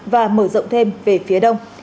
và mở rộng thêm về phía đông